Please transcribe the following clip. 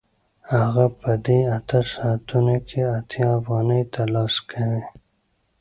هغه په دې اته ساعتونو کې اتیا افغانۍ ترلاسه کوي